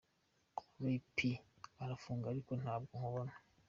Ray P urifunga ariko ntabwo nkubona ,.